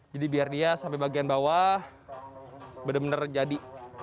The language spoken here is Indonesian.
jadi biar dia sampai bagian bawah benar benar jadi